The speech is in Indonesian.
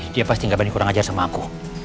dia pasti gak banding kurang ajar sama aku